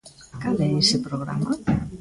¿Cal é ese programa?